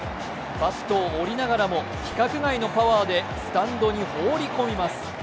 バットを折りながらも規格外のパワーでスタンドに放り込みます。